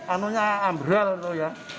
anunya ambrel itu ya